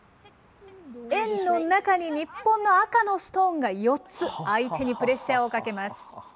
円の中に日本の赤のストーンが４つ、相手にプレッシャーをかけます。